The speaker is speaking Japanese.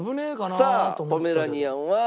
さあポメラニアンは。